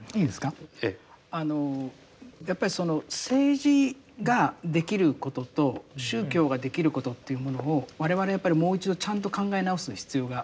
やっぱりその政治ができることと宗教ができることというものを我々やっぱりもう一度ちゃんと考え直す必要があるんだと思うんですよね。